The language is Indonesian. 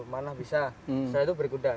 mana bisa setelah itu berkuda